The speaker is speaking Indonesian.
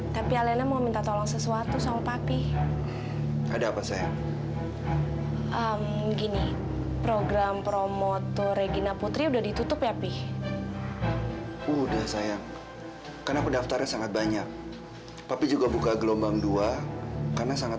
tidak ada yang lebih menarik dari kedua karena sangat waiting list